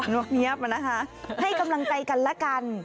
วกเงี๊ยบมานะคะให้กำลังใจกันละกัน